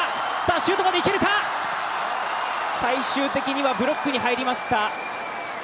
最終的にはブロックに入りました。